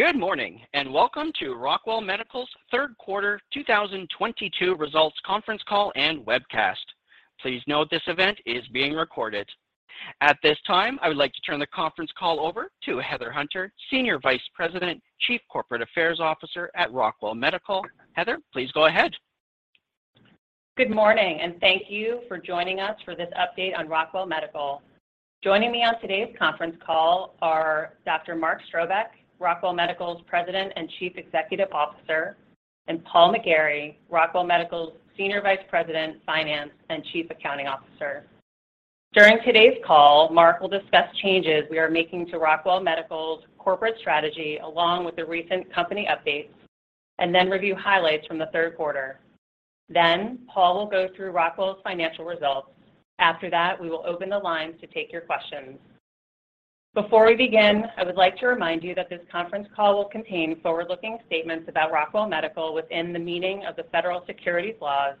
Goo d morning, and welcome to Rockwell Medical's Q3 2022 Results Conference Call and Webcast. Please note this event is being recorded. At this time, I would like to turn the conference call over to Heather Hunter, Senior Vice President, Chief Corporate Affairs Officer at Rockwell Medical. Heather, please go ahead. Good morning, and thank you for joining us for this update on Rockwell Medical. Joining me on today's conference call are Dr. Mark Strobeck, Rockwell Medical's President and Chief Executive Officer, and Paul McGarry, Rockwell Medical's Senior Vice President, Finance, and Chief Accounting Officer. During today's call, Mark will discuss changes we are making to Rockwell Medical's corporate strategy along with the recent company updates, and then review highlights from the third quarter. Paul will go through Rockwell's financial results. After that, we will open the lines to take your questions. Before we begin, I would like to remind you that this conference call will contain forward-looking statements about Rockwell Medical within the meaning of the federal securities laws,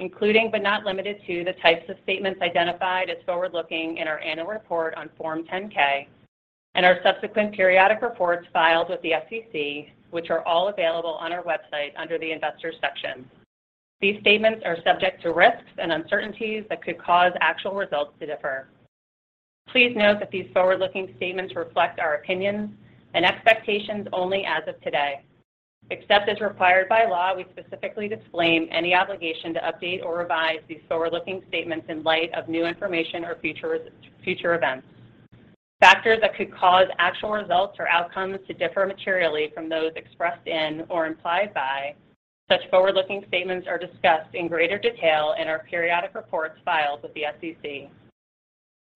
including but not limited to the types of statements identified as forward-looking in our annual report on Form 10-K and our subsequent periodic reports filed with the SEC, which are all available on our website under the Investors section. These statements are subject to risks and uncertainties that could cause actual results to differ. Please note that these forward-looking statements reflect our opinions and expectations only as of today. Except as required by law, we specifically disclaim any obligation to update or revise these forward-looking statements in light of new information or future events. Factors that could cause actual results or outcomes to differ materially from those expressed in or implied by such forward-looking statements are discussed in greater detail in our periodic reports filed with the SEC.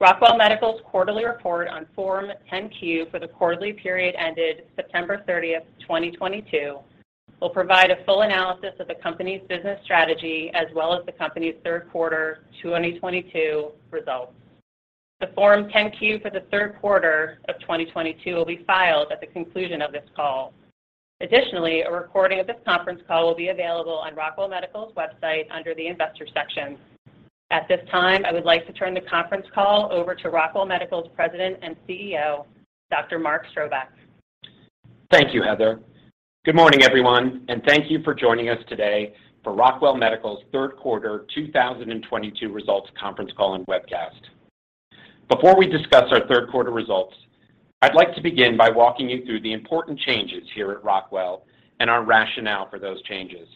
Rockwell Medical's quarterly report on Form 10-Q for the quarterly period ended September 30, 2022, will provide a full analysis of the company's business strategy as well as the company's Q3 2022 results. The Form 10-Q for the third quarter of 2022 will be filed at the conclusion of this call. Additionally, a recording of this conference call will be available on Rockwell Medical's website under the Investors section. At this time, I would like to turn the conference call over to Rockwell Medical's President and CEO, Dr. Mark Strobeck. Thank you, Heather. Good morning, everyone, and thank you for joining us today for Rockwell Medical's third quarter 2022 results conference call and webcast. Before we discuss our third quarter results, I'd like to begin by walking you through the important changes here at Rockwell and our rationale for those changes.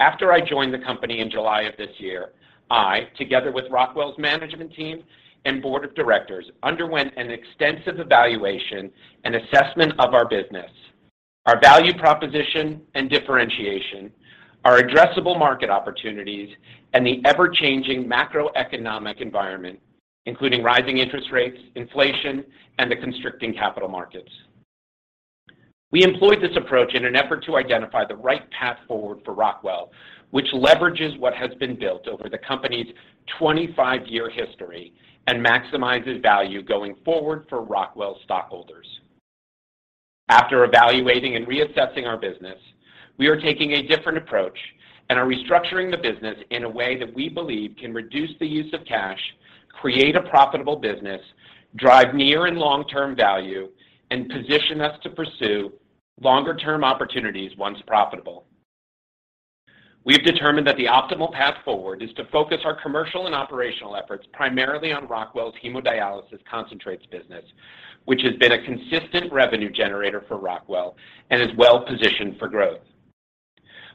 After I joined the company in July of this year, I, together with Rockwell's management team and board of directors, underwent an extensive evaluation and assessment of our business, our value proposition and differentiation, our addressable market opportunities, and the ever-changing macroeconomic environment, including rising interest rates, inflation, and the constricting capital markets. We employed this approach in an effort to identify the right path forward for Rockwell, which leverages what has been built over the company's 25-year history and maximizes value going forward for Rockwell stockholders. After evaluating and reassessing our business, we are taking a different approach and are restructuring the business in a way that we believe can reduce the use of cash, create a profitable business, drive near-and long-term value, and position us to pursue longer term opportunities once profitable. We have determined that the optimal path forward is to focus our commercial and operational efforts primarily on Rockwell's hemodialysis concentrates business, which has been a consistent revenue generator for Rockwell and is well positioned for growth.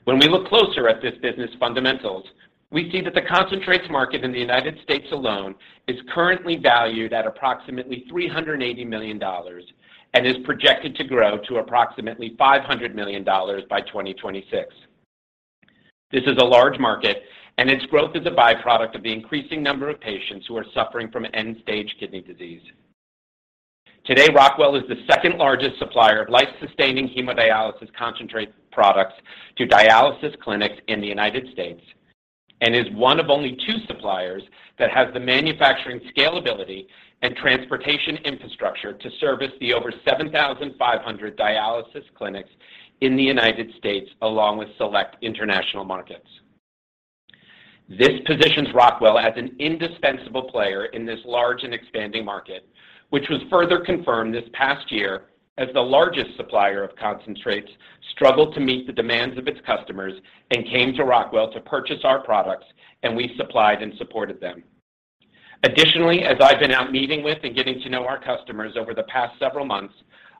When we look closer at this business fundamentals, we see that the concentrates market in the United States alone is currently valued at approximately $380 million and is projected to grow to approximately $500 million by 2026. This is a large market, and its growth is a byproduct of the increasing number of patients who are suffering from end-stage kidney disease. Today, Rockwell is the second largest supplier of life-sustaining hemodialysis concentrate products to dialysis clinics in the United States and is one of only two suppliers that has the manufacturing scalability and transportation infrastructure to service the over 7,500 dialysis clinics in the United States along with select international markets. This positions Rockwell as an indispensable player in this large and expanding market, which was further confirmed this past year as the largest supplier of concentrates struggled to meet the demands of its customers and came to Rockwell to purchase our products, and we supplied and supported them. Additionally, as I've been out meeting with and getting to know our customers over the past several months,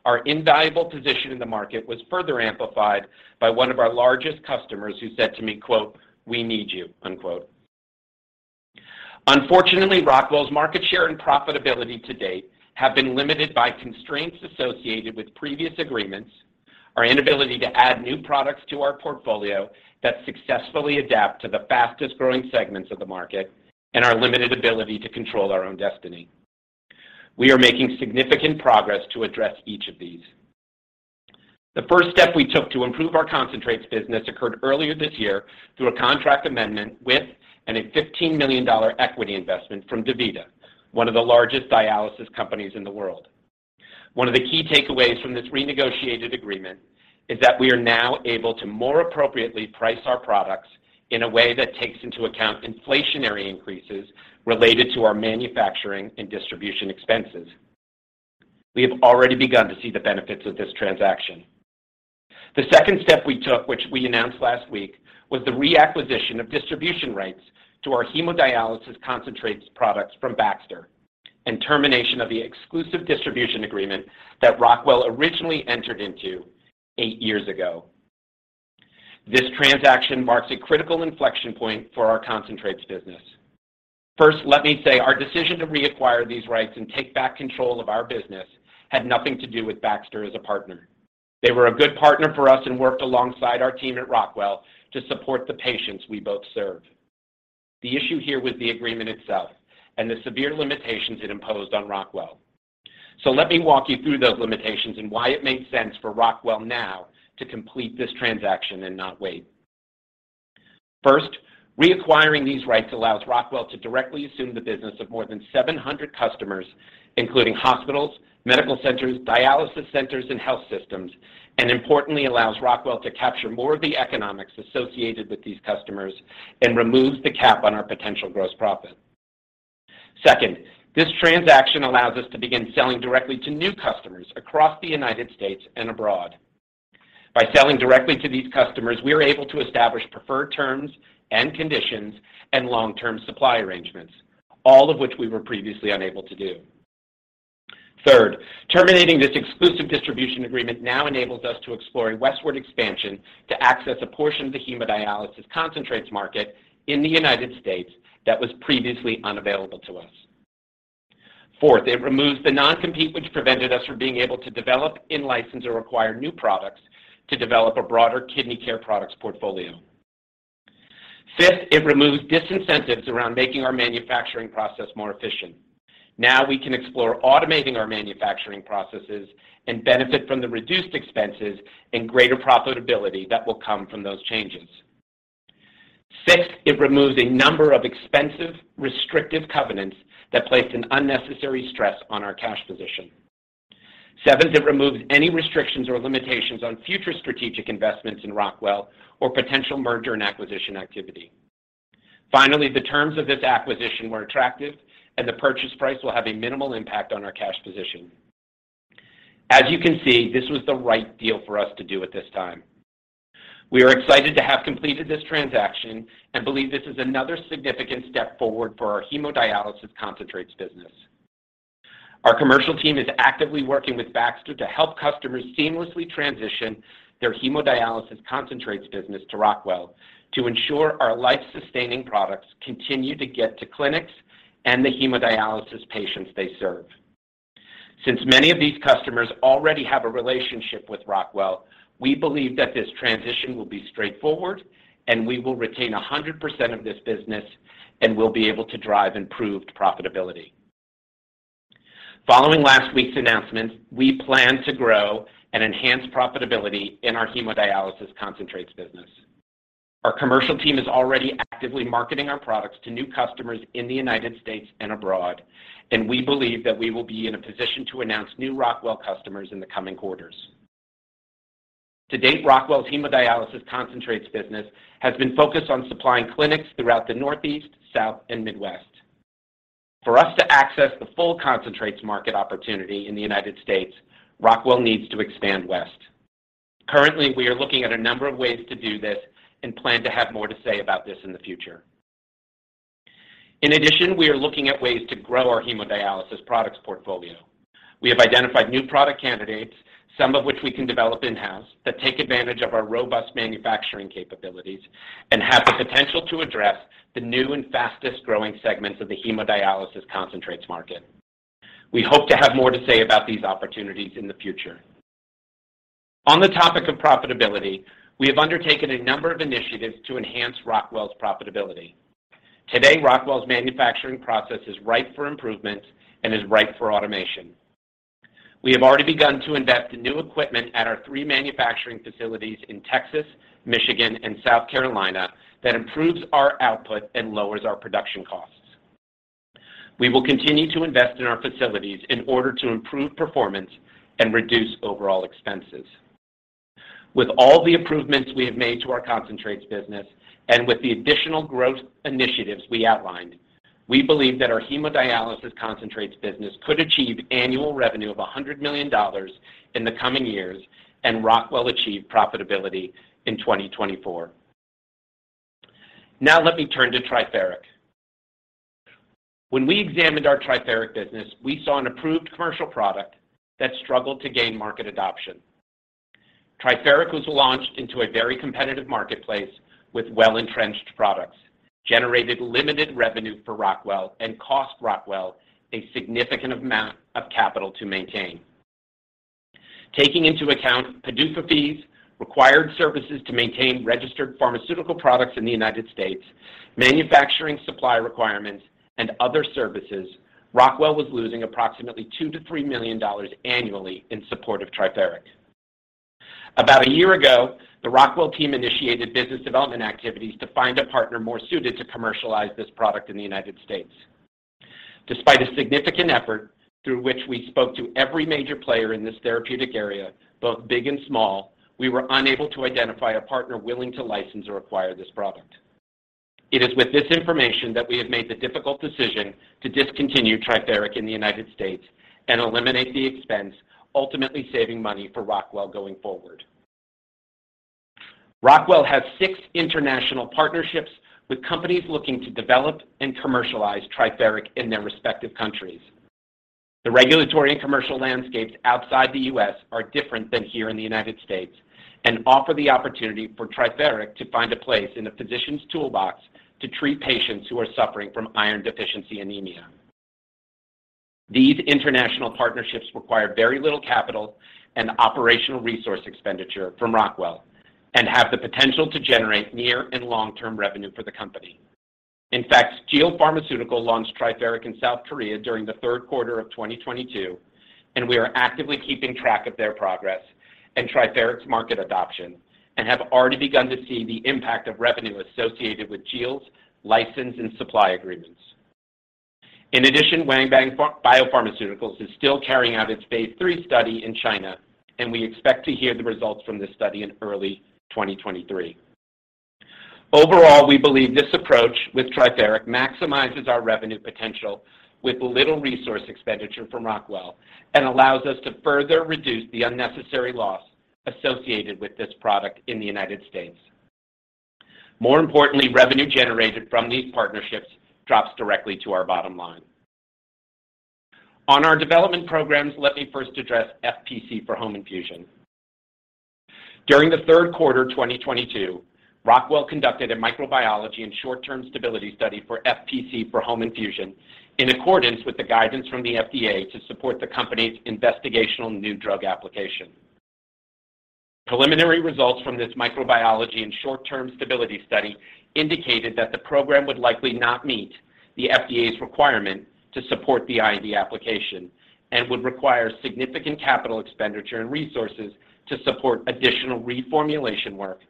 our invaluable position in the market was further amplified by one of our largest customers who said to me, quote, "We need you." end quote. Unfortunately, Rockwell's market share and profitability to date have been limited by constraints associated with previous agreements, our inability to add new products to our portfolio that successfully adapt to the fastest-growing segments of the market, and our limited ability to control our own destiny. We are making significant progress to address each of these. The first step we took to improve our concentrates business occurred earlier this year through a contract amendment with and a $15 million equity investment from DaVita, one of the largest dialysis companies in the world. One of the key takeaways from this renegotiated agreement is that we are now able to more appropriately price our products in a way that takes into account inflationary increases related to our manufacturing and distribution expenses. We have already begun to see the benefits of this transaction. The second step we took, which we announced last week, was the reacquisition of distribution rights to our hemodialysis concentrates products from Baxter and termination of the exclusive distribution agreement that Rockwell originally entered into eight years ago. This transaction marks a critical inflection point for our concentrates business. First, let me say our decision to reacquire these rights and take back control of our business had nothing to do with Baxter as a partner. They were a good partner for us and worked alongside our team at Rockwell to support the patients we both serve. The issue here was the agreement itself and the severe limitations it imposed on Rockwell. Let me walk you through those limitations and why it made sense for Rockwell now to complete this transaction and not wait. First, reacquiring these rights allows Rockwell to directly assume the business of more than 700 customers, including hospitals, medical centers, dialysis centers, and health systems, and importantly allows Rockwell to capture more of the economics associated with these customers and removes the cap on our potential gross profit. Second, this transaction allows us to begin selling directly to new customers across the United States and abroad. By selling directly to these customers, we are able to establish preferred terms and conditions and long-term supply arrangements, all of which we were previously unable to do. Third, terminating this exclusive distribution agreement now enables us to explore a westward expansion to access a portion of the hemodialysis concentrates market in the United States that was previously unavailable to us. Fourth, it removes the non-compete which prevented us from being able to develop, in-license, or acquire new products to develop a broader kidney care products portfolio. Fifth, it removes disincentives around making our manufacturing process more efficient. Now we can explore automating our manufacturing processes and benefit from the reduced expenses and greater profitability that will come from those changes. Sixth, it removes a number of expensive, restrictive covenants that placed an unnecessary stress on our cash position. Seventh, it removes any restrictions or limitations on future strategic investments in Rockwell or potential merger and acquisition activity. Finally, the terms of this acquisition were attractive and the purchase price will have a minimal impact on our cash position. As you can see, this was the right deal for us to do at this time. We are excited to have completed this transaction and believe this is another significant step forward for our hemodialysis concentrates business. Our commercial team is actively working with Baxter to help customers seamlessly transition their hemodialysis concentrates business to Rockwell to ensure our life-sustaining products continue to get to clinics and the hemodialysis patients they serve. Since many of these customers already have a relationship with Rockwell, we believe that this transition will be straightforward and we will retain 100% of this business and will be able to drive improved profitability. Following last week's announcements, we plan to grow and enhance profitability in our hemodialysis concentrates business. Our commercial team is already actively marketing our products to new customers in the United States and abroad, and we believe that we will be in a position to announce new Rockwell customers in the coming quarters. To date, Rockwell's hemodialysis concentrates business has been focused on supplying clinics throughout the Northeast, South, and Midwest. For us to access the full concentrates market opportunity in the United States, Rockwell needs to expand west. Currently, we are looking at a number of ways to do this and plan to have more to say about this in the future. In addition, we are looking at ways to grow our hemodialysis products portfolio. We have identified new product candidates, some of which we can develop in-house, that take advantage of our robust manufacturing capabilities and have the potential to address the new and fastest-growing segments of the hemodialysis concentrates market. We hope to have more to say about these opportunities in the future. On the topic of profitability, we have undertaken a number of initiatives to enhance Rockwell's profitability. Today, Rockwell's manufacturing process is ripe for improvement and is ripe for automation. We have already begun to invest in new equipment at our three manufacturing facilities in Texas, Michigan, and South Carolina that improves our output and lowers our production costs. We will continue to invest in our facilities in order to improve performance and reduce overall expenses. With all the improvements we have made to our concentrates business and with the additional growth initiatives we outlined, we believe that our hemodialysis concentrates business could achieve annual revenue of $100 million in the coming years and Rockwell achieve profitability in 2024. Now let me turn to Triferic. When we examined our Triferic business, we saw an approved commercial product that struggled to gain market adoption. Triferic was launched into a very competitive marketplace with well-entrenched products, generated limited revenue for Rockwell, and cost Rockwell a significant amount of capital to maintain. Taking into account PDUFA fees, required services to maintain registered pharmaceutical products in the United States, manufacturing supply requirements, and other services, Rockwell was losing approximately $2 million-$3 million annually in support of Triferic. About a year ago, the Rockwell team initiated business development activities to find a partner more suited to commercialize this product in the United States. Despite a significant effort through which we spoke to every major player in this therapeutic area, both big and small, we were unable to identify a partner willing to license or acquire this product. It is with this information that we have made the difficult decision to discontinue Triferic in the United States and eliminate the expense, ultimately saving money for Rockwell going forward. Rockwell has six international partnerships with companies looking to develop and commercialize Triferic in their respective countries. The regulatory and commercial landscapes outside the U.S. are different than here in the United States and offer the opportunity for Triferic to find a place in the physician's toolbox to treat patients who are suffering from iron deficiency anemia. These international partnerships require very little capital and operational resource expenditure from Rockwell and have the potential to generate near and long-term revenue for the company. In fact, Jeil Pharmaceutical launched Triferic in South Korea during the third quarter of 2022, and we are actively keeping track of their progress and Triferic's market adoption and have already begun to see the impact of revenue associated with Jeil's license and supply agreements. In addition, Wanbang Biopharmaceuticals is still carrying out its phase III study in China, and we expect to hear the results from this study in early 2023. Overall, we believe this approach with Triferic maximizes our revenue potential with little resource expenditure from Rockwell and allows us to further reduce the unnecessary loss associated with this product in the United States. More importantly, revenue generated from these partnerships drops directly to our bottom line. On our development programs, let me first address FPC for home infusion. During the third quarter 2022, Rockwell conducted a microbiology and short-term stability study for FPC for home infusion in accordance with the guidance from the FDA to support the company's investigational new drug application. Preliminary results from this microbiology and short-term stability study indicated that the program would likely not meet the FDA's requirement to support the IND application and would require significant capital expenditure and resources to support additional reformulation work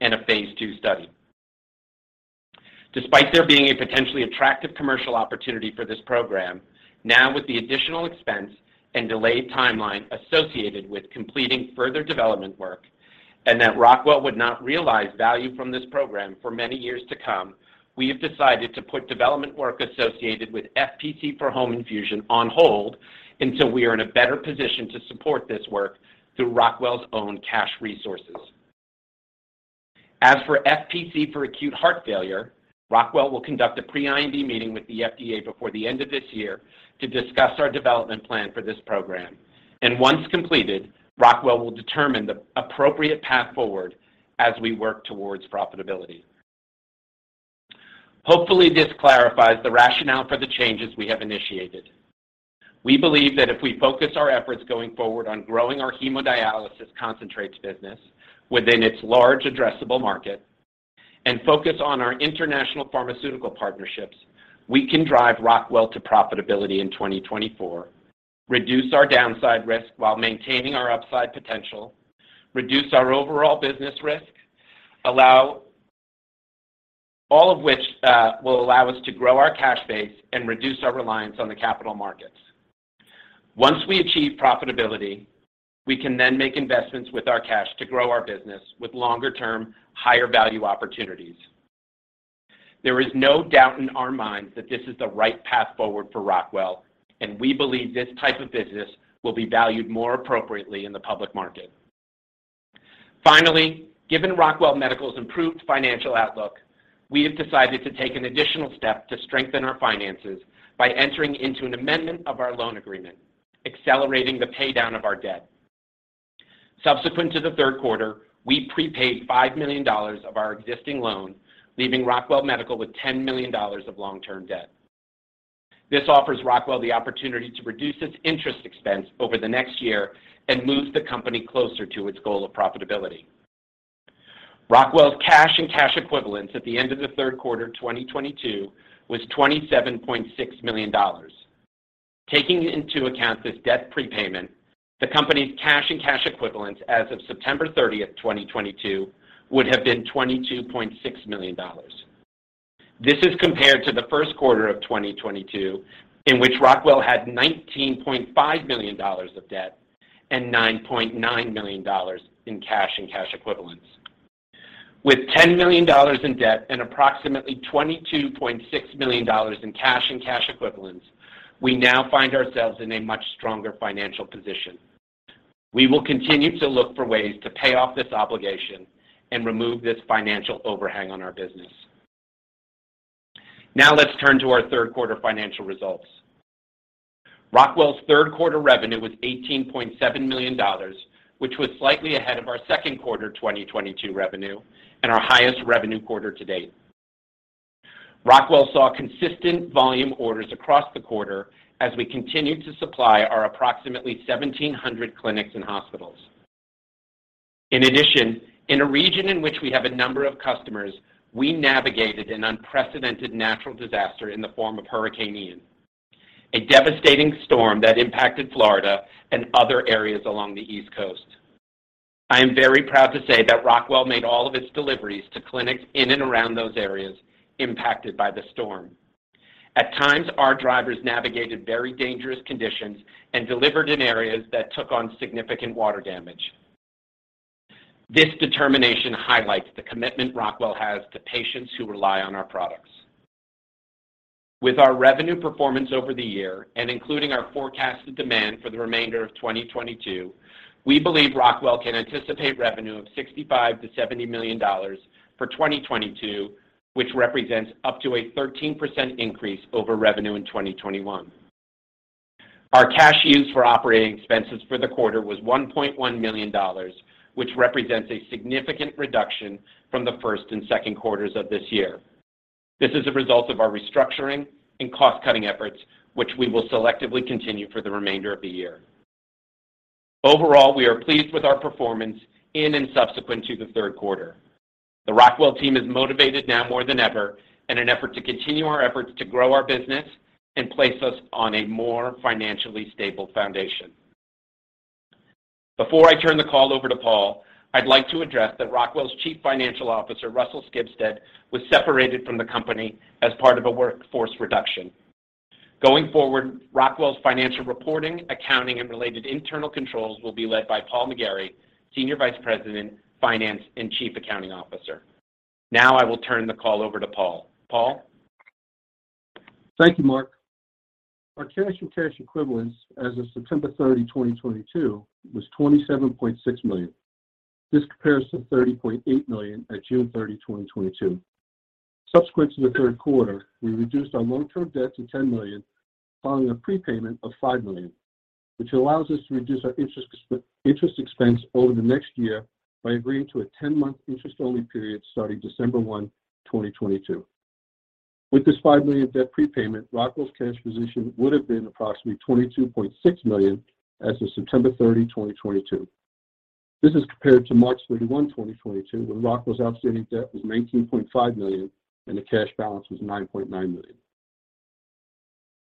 and a phase II study. Despite there being a potentially attractive commercial opportunity for this program, now with the additional expense and delayed timeline associated with completing further development work and that Rockwell would not realize value from this program for many years to come, we have decided to put development work associated with FPC for home infusion on hold until we are in a better position to support this work through Rockwell's own cash resources. As for FPC for acute heart failure, Rockwell will conduct a pre-IND meeting with the FDA before the end of this year to discuss our development plan for this program. Once completed, Rockwell will determine the appropriate path forward as we work towards profitability. Hopefully, this clarifies the rationale for the changes we have initiated. We believe that if we focus our efforts going forward on growing our hemodialysis concentrates business within its large addressable market and focus on our international pharmaceutical partnerships, we can drive Rockwell to profitability in 2024, reduce our downside risk while maintaining our upside potential, reduce our overall business risk, all of which will allow us to grow our cash base and reduce our reliance on the capital markets. Once we achieve profitability, we can then make investments with our cash to grow our business with longer-term, higher-value opportunities. There is no doubt in our minds that this is the right path forward for Rockwell, and we believe this type of business will be valued more appropriately in the public market. Finally, given Rockwell Medical's improved financial outlook, we have decided to take an additional step to strengthen our finances by entering into an amendment of our loan agreement, accelerating the paydown of our debt. Subsequent to the third quarter, we prepaid $5 million of our existing loan, leaving Rockwell Medical with $10 million of long-term debt. This offers Rockwell the opportunity to reduce its interest expense over the next year and moves the company closer to its goal of profitability. Rockwell's cash and cash equivalents at the end of the third quarter 2022 was $27.6 million. Taking into account this debt prepayment, the company's cash and cash equivalents as of September 30, 2022, would have been $22.6 million. This is compared to the first quarter of 2022, in which Rockwell had $19.5 million of debt and $9.9 million in cash and cash equivalents. With $10 million in debt and approximately $22.6 million in cash and cash equivalents, we now find ourselves in a much stronger financial position. We will continue to look for ways to pay off this obligation and remove this financial overhang on our business. Now let's turn to our third quarter financial results. Rockwell's third quarter revenue was $18.7 million, which was slightly ahead of our second quarter 2022 revenue and our highest revenue quarter to date. Rockwell saw consistent volume orders across the quarter as we continued to supply our approximately 1,700 clinics and hospitals. In addition, in a region in which we have a number of customers, we navigated an unprecedented natural disaster in the form of Hurricane Ian, a devastating storm that impacted Florida and other areas along the East Coast. I am very proud to say that Rockwell made all of its deliveries to clinics in and around those areas impacted by the storm. At times, our drivers navigated very dangerous conditions and delivered in areas that took on significant water damage. This determination highlights the commitment Rockwell has to patients who rely on our products. With our revenue performance over the year and including our forecasted demand for the remainder of 2022, we believe Rockwell can anticipate revenue of $65 million-$70 million for 2022, which represents up to a 13% increase over revenue in 2021. Our cash used for operating expenses for the quarter was $1.1 million, which represents a significant reduction from the first and second quarters of this year. This is a result of our restructuring and cost-cutting efforts, which we will selectively continue for the remainder of the year. Overall, we are pleased with our performance in and subsequent to the third quarter. The Rockwell team is motivated now more than ever in an effort to continue our efforts to grow our business and place us on a more financially stable foundation. Before I turn the call over to Paul, I'd like to address that Rockwell's Chief Financial Officer, Russell L. Skibsted, was separated from the company as part of a workforce reduction. Going forward, Rockwell's financial reporting, accounting, and related internal controls will be led by Paul McGarry, Senior Vice President, Finance, and Chief Accounting Officer. Now I will turn the call over to Paul. Paul? Thank you, Mark. Our cash and cash equivalents as of September 30, 2022 was $27.6 million. This compares to $30.8 million at June 30, 2022. Subsequent to the third quarter, we reduced our long-term debt to $10 million following a prepayment of $5 million, which allows us to reduce our interest expense over the next year by agreeing to a 10-month interest-only period starting December 1, 2022. With this $5 million debt prepayment, Rockwell's cash position would have been approximately $22.6 million as of September 30, 2022. This is compared to March 31, 2022, when Rockwell's outstanding debt was $19.5 million, and the cash balance was $9.9 million.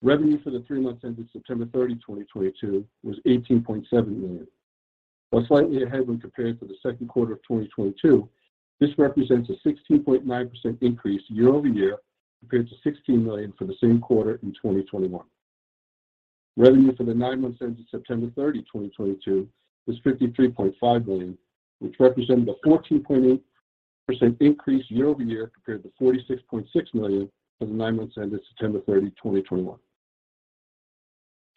Revenue for the three months ending September 30, 2022 was $18.7 million. While slightly ahead when compared to the Q2 of 2022, this represents a 16.9% increase year-over-year compared to $16 million for the same quarter in 2021. Revenue for the nine months ending September 30, 2022 was $53.5 million, which represented a 14.8% increase year-over-year compared to $46.6 million for the nine months ending September 30, 2021.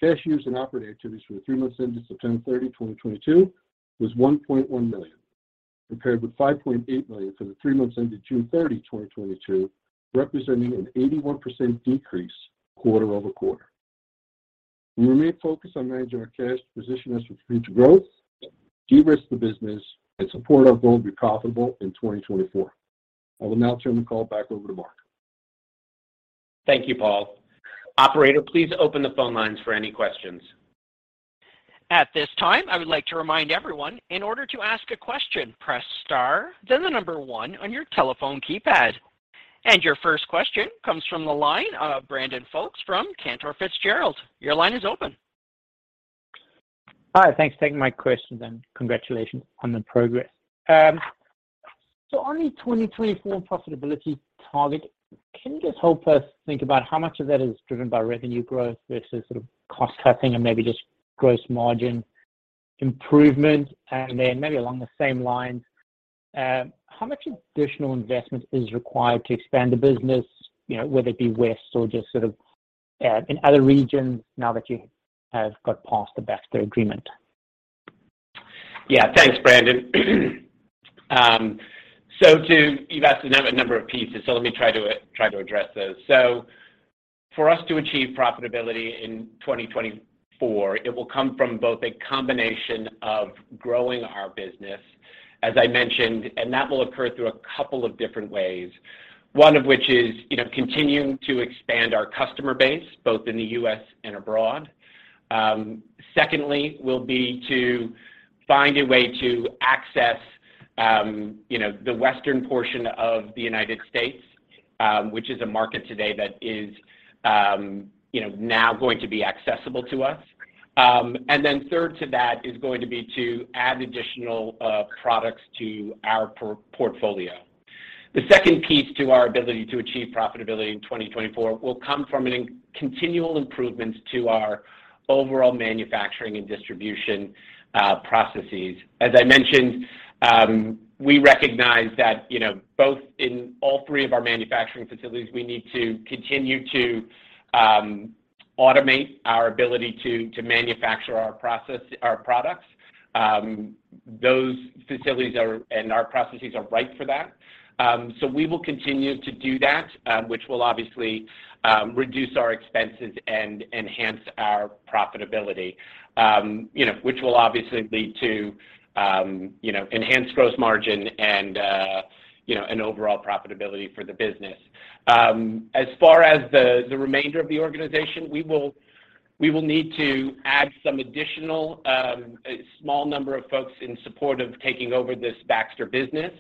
Cash used in operating activities for the three months ending September 30, 2022 was $1.1 million, compared with $5.8 million for the three months ending June 30, 2022, representing an 81% decrease quarter-over-quarter. We remain focused on managing our cash to position us for future growth, de-risk the business, and support our goal to be profitable in 2024.I will now turn the call back over to Mark. Thank you, Paul. Operator, please open the phone lines for any questions. At this time, I would like to remind everyone, in order to ask a question, press star, then the number one on your telephone keypad. Your first question comes from the line of Brandon Folkes from Cantor Fitzgerald. Your line is open. Hi. Thanks for taking my questions, and congratulations on the progress. On the 2024 profitability target, can you just help us think about how much of that is driven by revenue growth versus sort of cost cutting and maybe just gross margin improvement? Maybe along the same lines, how much additional investment is required to expand the business, you know, whether it be West or just sort of, in other regions now that you have got past the Baxter agreement? Yeah. Thanks, Brandon. You've asked a number of pieces, so let me try to address those. For us to achieve profitability in 2024, it will come from both a combination of growing our business, as I mentioned, and that will occur through a couple of different ways. One of which is, you know, continuing to expand our customer base both in the U.S. and abroad. Secondly will be to find a way to access, you know, the Western portion of the United States, which is a market today that is, you know, now going to be accessible to us. Then third to that is going to be to add additional products to our portfolio. The second piece to our ability to achieve profitability in 2024 will come from continual improvements to our overall manufacturing and distribution processes. As I mentioned, we recognize that, you know, both in all three of our manufacturing facilities, we need to continue to automate our ability to manufacture our products. Those facilities are, and our processes are ripe for that. We will continue to do that, which will obviously reduce our expenses and enhance our profitability, you know, which will obviously lead to, you know, enhanced gross margin and, you know, an overall profitability for the business. As far as the remainder of the organization, we will need to add some additional, a small number of folks in support of taking over this Baxter business,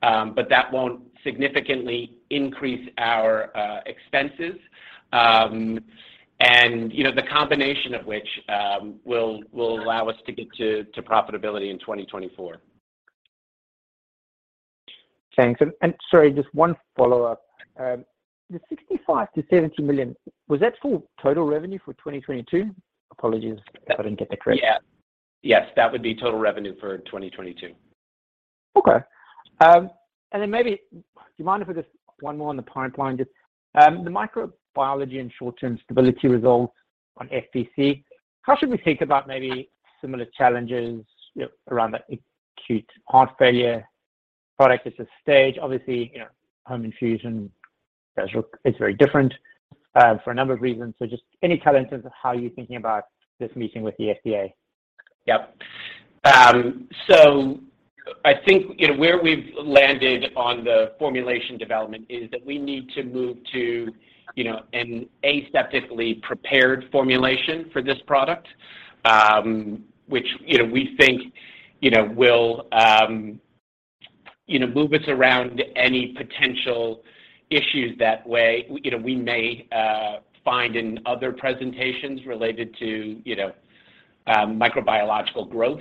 but that won't significantly increase our expenses. You know, the combination of which will allow us to get to profitability in 2024. Thanks. Sorry, just one follow-up. The $65 million-$70 million, was that for total revenue for 2022? Apologies if I didn't get that correct. Yeah. Yes, that would be total revenue for 2022. Okay. Maybe do you mind if I just one more on the pipeline just, the microbiology and short-term stability results on FPC, how should we think about maybe similar challenges, you know, around the acute heart failure product at this stage? Obviously, you know, home infusion is very different, for a number of reasons. Just any color in terms of how you're thinking about this meeting with the FDA. Yep. I think, you know, where we've landed on the formulation development is that we need to move to, you know, an aseptically prepared formulation for this product, which, you know, we think, you know, will, you know, move us around any potential issues that way. You know, we may find in other presentations related to, you know, microbiological growth.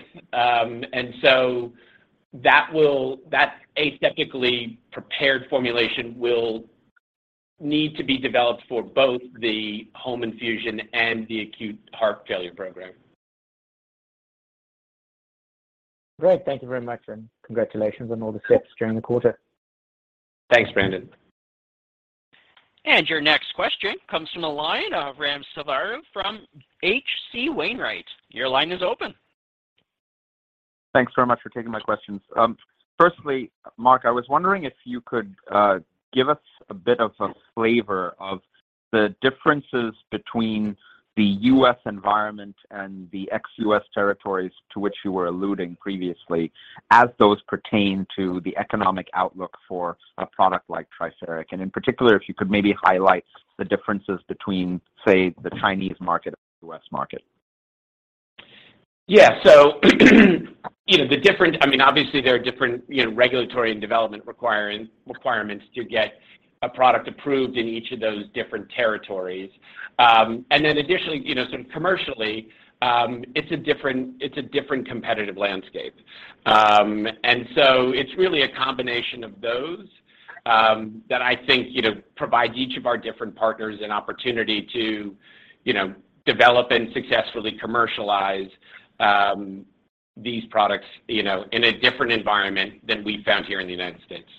That aseptically prepared formulation will need to be developed for both the home infusion and the acute heart failure program. Great. Thank you very much, and congratulations on all the steps during the quarter. Thanks, Brandon. Your next question comes from the line of Ram Selvaraju from H.C. Wainwright. Your line is open. Thanks very much for taking my questions. Firstly, Mark, I was wondering if you could give us a bit of a flavor of the differences between the U.S. environment and the ex-U.S. territories to which you were alluding previously as those pertain to the economic outlook for a product like Triferic. In particular, if you could maybe highlight the differences between, say, the Chinese market and the U.S. market. Yeah. You know, I mean, obviously, there are different, you know, regulatory and development requirements to get a product approved in each of those different territories. And then additionally, you know, sort of commercially, it's a different competitive landscape. It's really a combination of those, that I think, you know, provides each of our different partners an opportunity to, you know, develop and successfully commercialize, these products, you know, in a different environment than we found here in the United States.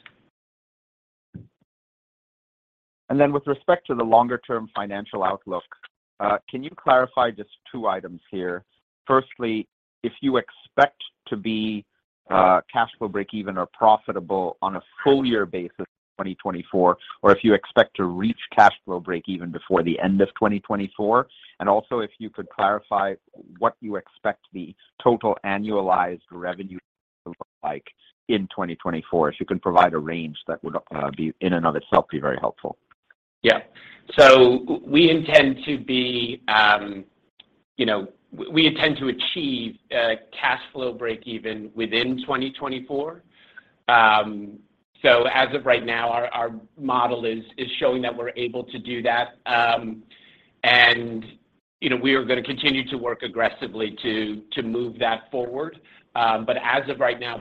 With respect to the longer-term financial outlook, can you clarify just two items here. Firstly, if you expect to be cash flow break even or profitable on a full year basis in 2024, or if you expect to reach cash flow break even before the end of 2024. Also if you could clarify what you expect the total annualized revenue to look like in 2024. If you can provide a range, that would be in and of itself be very helpful. Yeah. We intend to achieve cash flow breakeven within 2024. As of right now, our model is showing that we're able to do that. You know, we are gonna continue to work aggressively to move that forward. As of right now,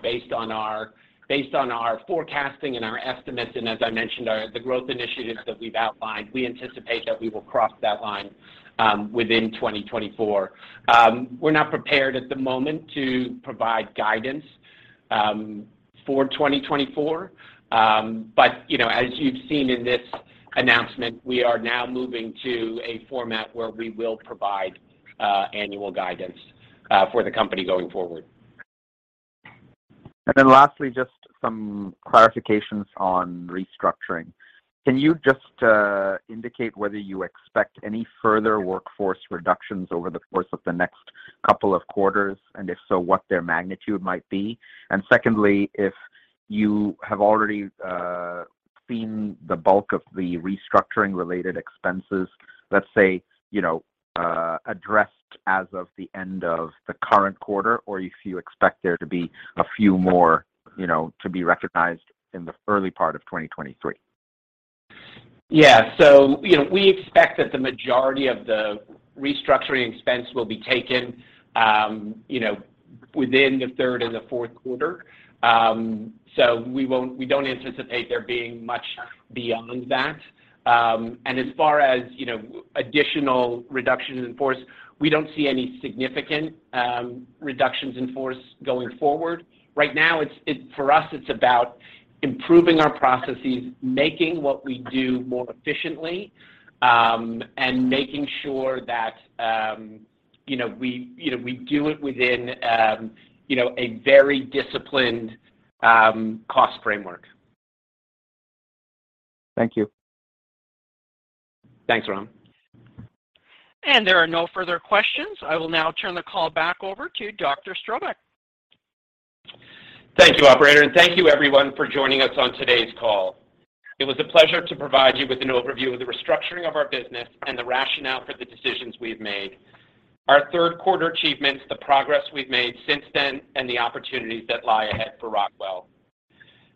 based on our forecasting and our estimates, and as I mentioned, the growth initiatives that we've outlined, we anticipate that we will cross that line within 2024. We're not prepared at the moment to provide guidance for 2024. You know, as you've seen in this announcement, we are now moving to a format where we will provide annual guidance for the company going forward. Just some clarifications on restructuring. Can you just indicate whether you expect any further workforce reductions over the course of the next couple of quarters? And if so, what their magnitude might be? And secondly, if you have already seen the bulk of the restructuring related expenses, let's say, you know, addressed as of the end of the current quarter, or if you expect there to be a few more, you know, to be recognized in the early part of 2023. Yeah. You know, we expect that the majority of the restructuring expense will be taken, you know, within the Q3 and the Q4. We don't anticipate there being much beyond that. As far as, you know, additional reductions in force, we don't see any significant, reductions in force going forward. Right now, for us, it's about improving our processes, making what we do more efficiently, and making sure that, you know, we, you know, we do it within, you know, a very disciplined, cost framework. Thank you. Thanks, Ram. There are no further questions. I will now turn the call back over to Dr. Strobeck. Thank you, operator. Thank you everyone for joining us on today's call. It was a pleasure to provide you with an overview of the restructuring of our business and the rationale for the decisions we've made, our third quarter achievements, the progress we've made since then, and the opportunities that lie ahead for Rockwell.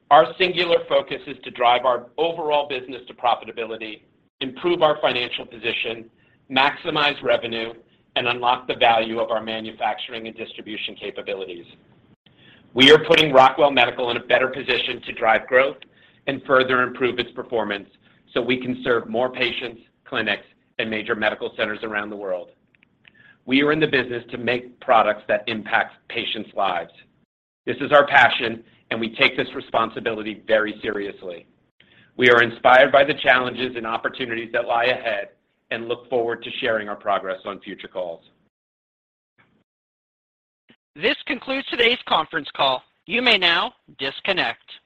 Our singular focus is to drive our overall business to profitability, improve our financial position, maximize revenue, and unlock the value of our manufacturing and distribution capabilities. We are putting Rockwell Medical in a better position to drive growth and further improve its performance so we can serve more patients, clinics, and major medical centers around the world. We are in the business to make products that impact patients' lives. This is our passion, and we take this responsibility very seriously. We are inspired by the challenges and opportunities that lie ahead and look forward to sharing our progress on future calls. This concludes today's conference call. You may now disconnect.